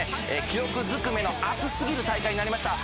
記録尽くめの熱すぎる大会になりました。